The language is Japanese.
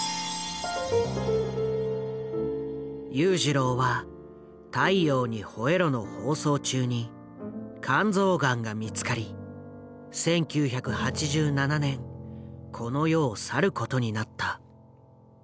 裕次郎は「太陽にほえろ！」の放送中に肝臓がんが見つかり１９８７年この世を去ることになった。